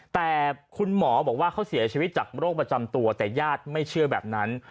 แต่คุณหมอบอกว่าเขาเสียชีวิตจากโรคประจำตัวแต่ญาติไม่เชื่อแบบนั้น